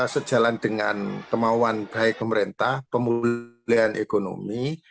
sejalan dengan kemauan baik pemerintah pemulihan ekonomi